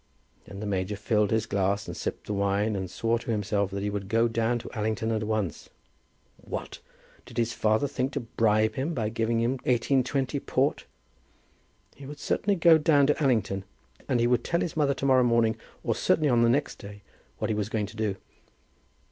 Then the major filled his glass and sipped the wine, and swore to himself that he would go down to Allington at once. What! Did his father think to bribe him by giving him '20 port? He would certainly go down to Allington, and he would tell his mother to morrow morning, or certainly on the next day, what he was going to do.